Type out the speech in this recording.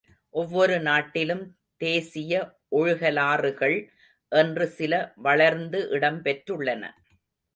ஒவ்வொரு நாட்டிலும் தேசிய ஒழுகலாறுகள் என்று சில, வளர்ந்து இடம்பெற்றுள்ளன.